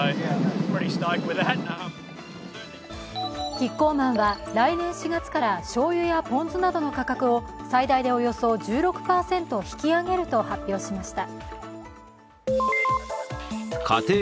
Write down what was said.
キッコーマンは来年４月からしょうゆやポン酢などの価格を最大でおよそ１６％引き上げると発表しました。